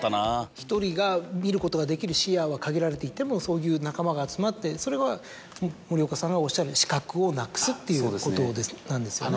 １人が見ることができる視野は限られていてもそういう仲間が集まってそれが森岡さんがおっしゃる。っていうことなんですよね。